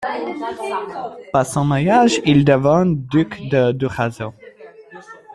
Par son mariage il devint duc de Durazzo.